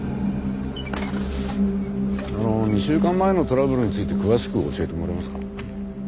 あの２週間前のトラブルについて詳しく教えてもらえますか？